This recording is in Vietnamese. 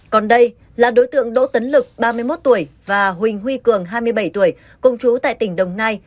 còn đây là đối tượng đỗ tấn lực ba mươi một tuổi và huỳnh huy cường hai mươi bảy tuổi công chú tại tỉnh đồng nai